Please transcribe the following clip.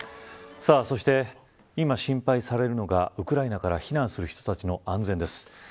そして今、心配されるのがウクライナから避難する人たちの安全です。